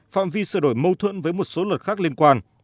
phạm vi sửa đổi mâu thuẫn với một số luật khác liên quan